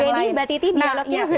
bang beni mbak titi dialognya